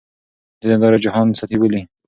ځینې دا رجحان سطحي بولي.